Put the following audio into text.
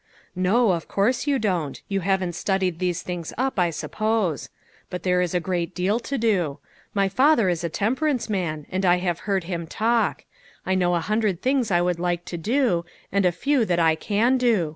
"No; of course you don't. You haven't studied these things up, I suppose. But there is a great deal to do. My father is a temperance man, and I have heard him talk. I know a hun dred things I would like to do, and a few that I can do.